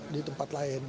di tempat lain